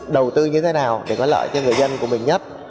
đầu tư như thế nào để có lợi cho người dân của mình nhất